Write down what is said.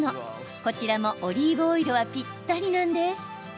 こちらもオリーブオイルはぴったりなんです。